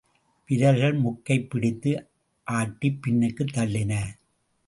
விரல்கள் முக்கைப்பிடித்து ஆட்டிப் பின்னுக்குத் தள்ளின.